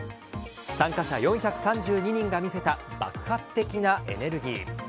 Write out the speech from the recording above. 参加者４３２人が見せた爆発的なエネルギー。